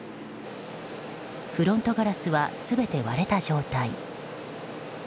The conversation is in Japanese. フロントガラスは全て割れた状態。